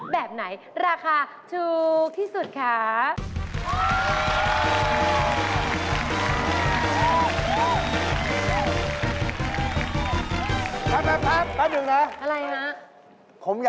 แบบไหนราคาถูกที่สุดคะ